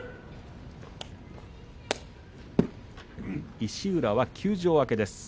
石浦は休場明けです。